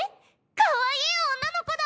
かわいい女の子だ！